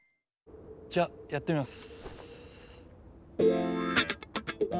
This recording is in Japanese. じゃやってみます。